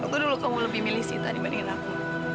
waktu dulu kamu lebih milih sita dibandingin aku